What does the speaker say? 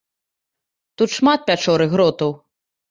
Тут шмат пячор і гротаў.